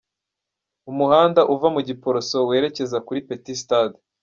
Mu muhanda uva mu Giporoso werekeza kuri Petit Stade